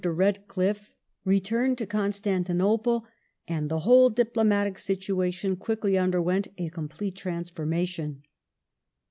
1855] ENGLAND AND RUSSIA 219 Redcliffe returned to Constantinople, and the whole diplomatic situation quickly underwent a complete transformation.